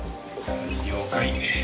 了解。